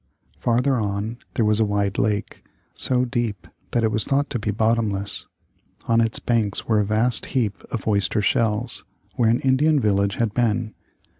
Farther on there was a wide lake, so deep that it was thought to be bottomless. On its banks were a vast heap of oyster shells, where an Indian village had been.